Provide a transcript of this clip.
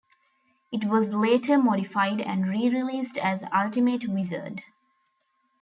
It was later modified and re-released as Ultimate Wizard.